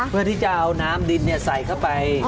เพื่อที่จะเอาน้ำดินใส่เข้าไป